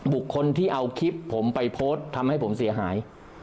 บุคคลที่เอาคลิปผมไปโพสต์ทำให้ผมเสียหาย